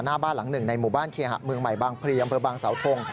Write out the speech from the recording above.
หน้าบ้านหลังหนึ่งในหมู่บ้านเคหะเมืองใหม่บางพลีอำเภอบางสาวทง